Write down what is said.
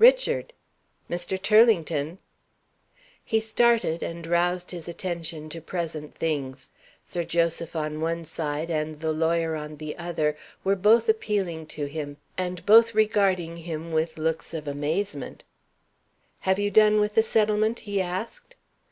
"Richard!" "Mr. Turlington!" He started, and roused his attention to present things. Sir Joseph on one side, and the lawyer on the other, were both appealing to him, and both regarding him with looks of amazement. "Have you done with the settlement?" he asked.